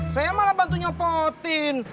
saya malah bantu nyopotin